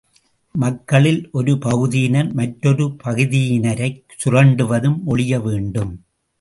மக்களில் ஒரு பகுதியினர் மற்றொரு பகுதியினரைச் சுரண்டுவதும் ஒழிய வேண்டும்.